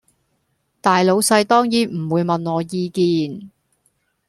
大老細當然唔會問我意見